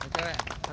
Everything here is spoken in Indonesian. terima kasih banyak